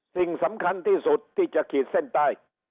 สิ่งสำคัญที่สุดที่จะขีดเส้นใต้